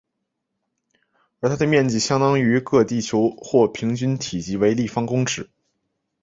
而它的体积相当于个地球或平均体积为立方公尺。